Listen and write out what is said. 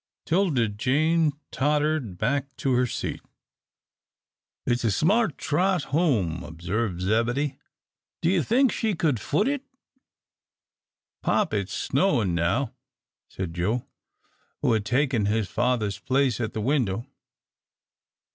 'Tilda Jane tottered back to her seat. "It's a smart trot home," observed Zebedee. "D'ye think she could foot it?" "Pop, it's snowin' now," said Joe, who had taken his father's place at the window.